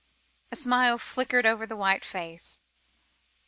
A smile flickered over the white face.